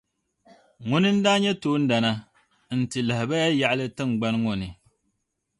Ŋuni n daa nyɛ toondana, n-ti lahabaya yaɣili tingbani ŋɔ ni.